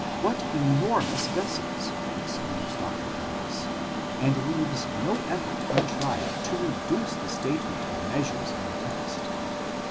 What enormous vessels! exclaims Dr. Paulus, and leaves no effort untried to reduce the statement of measures in the text.